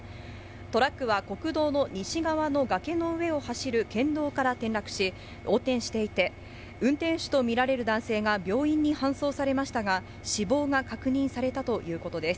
トラックは国道の西側の崖の上を走る県道から転落し、横転していて、運転手と見られる男性が病院に搬送されましたが、死亡が確認されたということです。